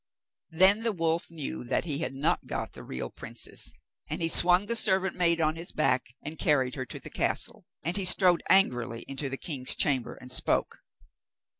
Then the wolf knew that he had not got the real princess, and he swung the servant maid on to his back and carried her to the castle. And he strode angrily into the king's chamber, and spoke.